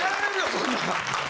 そんなん。